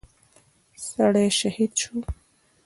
سړى شهيد شو.